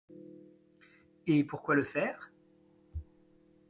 Et pourquoi le faire ?